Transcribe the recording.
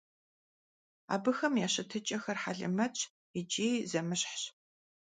Abıxem ya şıtıç'exer helemetş yiç'i zemışhş.